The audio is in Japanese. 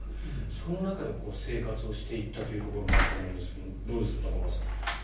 その中で生活をしていったというところもあると思いますがどうですか、玉川さん。